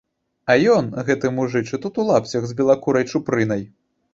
А ён, гэты мужычы, тут, у лапцях, з белакурай чупрынай.